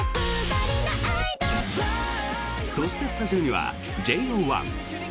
そして、スタジオにはＪＯ１。